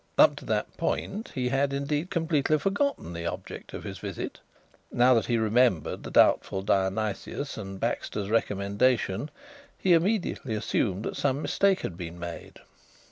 Up to that point, he had, indeed, completely forgotten the object of his visit. Now that he remembered the doubtful Dionysius and Baxter's recommendation he immediately assumed that some mistake had been made.